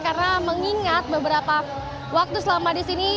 karena mengingat beberapa waktu selama di sini